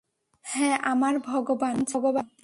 হ্যাঁ, আমার ভগবান, ভগবান ছিল।